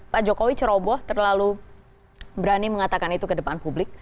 pak jokowi ceroboh terlalu berani mengatakan itu ke depan publik